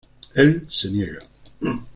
Él se niega.